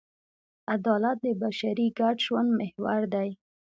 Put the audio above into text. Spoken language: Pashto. عدالت د بشري ګډ ژوند محور دی.